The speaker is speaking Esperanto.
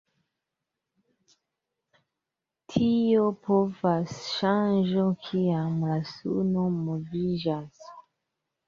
Tio povas ŝanĝo kiam la suno moviĝas.